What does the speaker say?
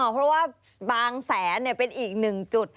เพราะว่าบางแสนเป็นอีกหนึ่งจุด